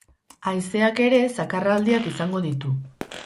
Haizeak ere zakarraldiak izango ditu.